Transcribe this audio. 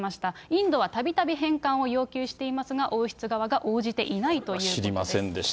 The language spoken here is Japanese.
インドはたびたび返還を要求していますが、王室側が応じていないということです。